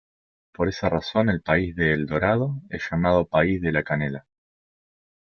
Por esa razón el país de El Dorado es llamado País de la Canela.